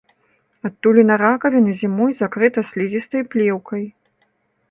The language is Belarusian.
Адтуліна ракавіны зімой закрыта слізістай плеўкай.